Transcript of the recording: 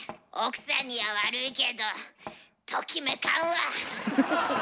奥さんには悪いけどときめかんわ。